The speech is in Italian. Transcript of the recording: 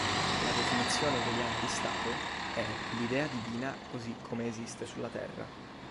La definizione hegeliana di stato è "l'idea divina così come esiste sulla terra".